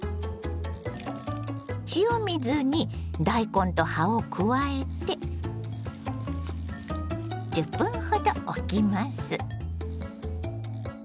塩水に大根と葉を加えて１０分ほどおきます。